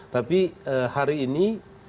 tapi hari ini